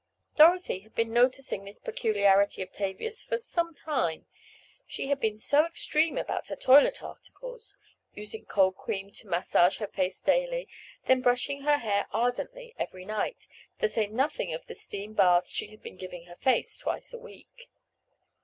Dorothy had been noticing this peculiarity of Tavia's for some time—she had been so extreme about her toilet articles—using cold cream to massage her face daily, then brushing her hair ardently every night, to say nothing of the steam baths she had been giving her face twice a week.